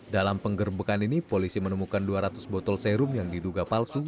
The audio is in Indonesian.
dalam penggerbekan ini polisi menemukan dua ratus botol serum yang diduga palsu